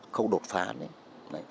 khâu đột phản